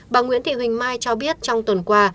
bà nguyễn thị huỳnh mai cho biết trong tuần qua